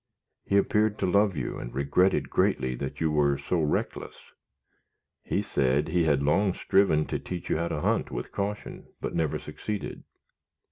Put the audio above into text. He appeared to love you, and regretted greatly that you were so reckless. He said he had long striven to teach you how to hunt with caution, but never succeeded.